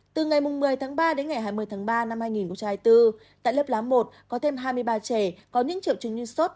từ ngày một mươi tháng ba đến ngày hai mươi tháng ba năm hai nghìn hai mươi bốn tại lớp lá một có thêm hai mươi ba trẻ có những triệu chứng như sốt